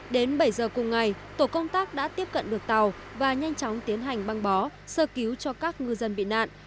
đến bảy giờ cùng ngày tổ công tác đã tiếp cận được tàu và nhanh chóng tiến hành băng bó sơ cứu cho các ngư dân bị nạn